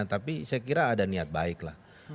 tapi saya kira ada niat baik lah